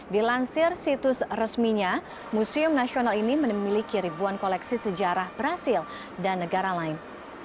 dilansir situs resminya museum nasional ini memiliki ribuan koleksi sejarah brazil dan negara lain